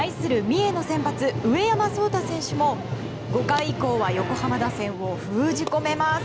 三重の先発、上山颯太投手も５回以降は横浜打線を封じ込めます。